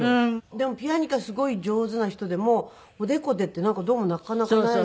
でもピアニカすごい上手な人でもおでこでってどうもなかなかない。